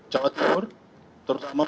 jawa timur terutama